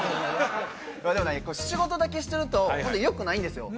でも仕事だけしてるとホントよくないんですよ